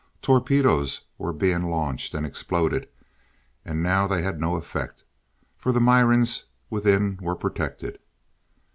Torpedoes were being launched, and exploded, and now they had no effect, for the Mirans within were protected.